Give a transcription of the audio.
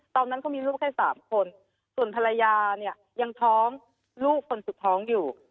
ตอนนั้นเขามีลูกแค่สามคนส่วนภรรยาเนี่ยยังท้องลูกคนสุดท้องอยู่